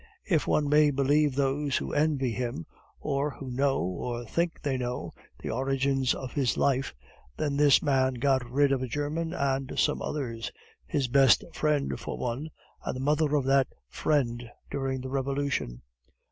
If one may believe those who envy him, or who know, or think they know, the origins of his life, then this man got rid of a German and some others his best friend for one, and the mother of that friend, during the Revolution.